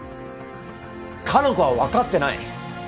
可南子はわかってない。